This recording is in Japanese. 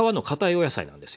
お野菜なんですよね。